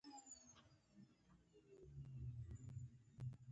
دا معنا ده چې نورو ته تکلیف رسوئ.